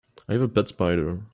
I have a pet spider.